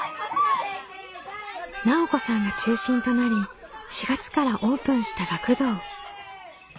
奈緒子さんが中心となり４月からオープンした学童。